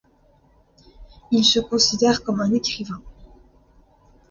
Il se considère comme un écrivain.